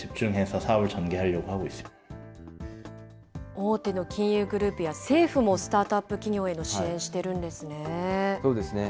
大手の金融グループや政府もスタートアップ企業への支援してそうですね。